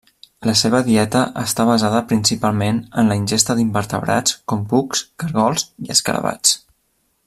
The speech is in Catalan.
La seva dieta està basada principalment en la ingesta d'invertebrats, com cucs, caragols i escarabats.